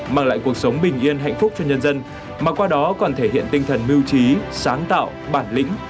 mang lại cuộc sống bình yên hạnh phúc cho nhân dân mà qua đó còn thể hiện tinh thần mưu trí sáng tạo bản lĩnh